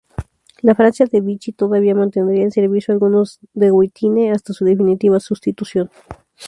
La Francia de Vichy todavía mantendría en servicio algunos Dewoitine hasta su definitiva sustitución.